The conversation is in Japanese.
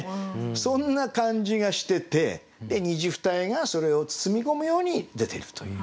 そんな感じがしてて虹二重がそれを包み込むように出てるという。